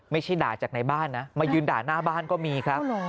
มายืนด่าหน้าบ้านก็มีครับ